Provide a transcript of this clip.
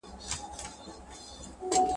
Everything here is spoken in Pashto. پر بچو د توتکۍ چي یې حمله کړه `